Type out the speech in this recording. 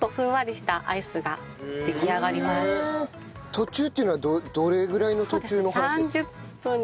途中っていうのはどれぐらいの途中の話ですか？